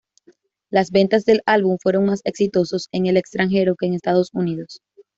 Las ventas del álbum fueron más exitosos en el extranjero que en Estados Unidos.